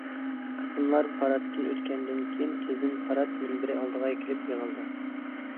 قىسىملار پاراتتىن ئۆتكەندىن كېيىن، تېزدىن پارات مۇنبىرى ئالدىغا كېلىپ يىغىلدى.